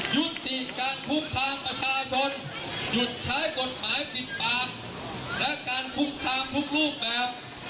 ยุติการคุกคามประชาชนหยุดใช้กฎหมายปิดปากและการคุกคามทุกรูปแบบ